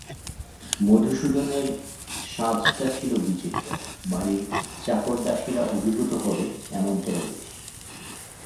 মধুসূদনের সাজটা ছিল বিচিত্র, বাড়ির চাকরদাসীরা অভিভূত হবে এমনতরো বেশ।